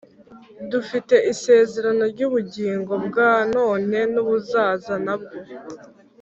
dufite isezerano ry'ubugingo bwa none n'ubuzaza na bwo.